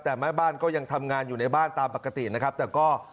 แต่แม่บ้านก็ยังทำงานอยู่ในบ้านตามปกตินะครับแต่ก็